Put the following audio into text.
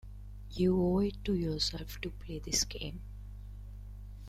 You owe it to yourself to play this game.